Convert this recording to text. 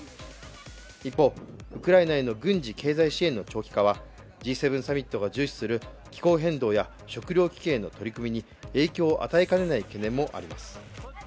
一方、ウクライナへの軍事・経済支援の長期化はＧ７サミットが重視する気候変動や食糧危機への取り組みに影響を与えかねない懸念もあります。